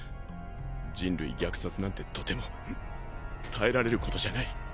人類虐殺なんてとても耐えられることじゃない。